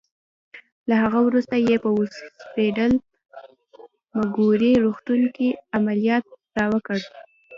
له هغه وروسته یې په اوسپیډل مګوري روغتون کې عملیات راوکړل.